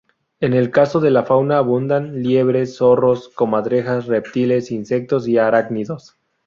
En el caso de la fauna abundan liebres, zorros, comadrejas, reptiles, insectos y arácnidos.